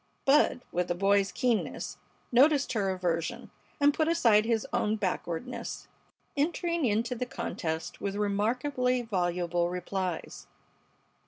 Bud, with a boy's keenness, noticed her aversion, and put aside his own backwardness, entering into the contest with remarkably voluble replies.